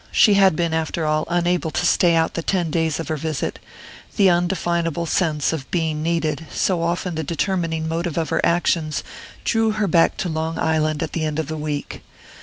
She had been, after all, unable to stay out the ten days of her visit: the undefinable sense of being needed, so often the determining motive of her actions, drew her back to Long Island at the end of the week.